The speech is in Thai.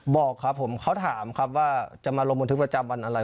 บอกครับผมเขาถามครับว่าจะมาลงบันทึกประจำวันอะไร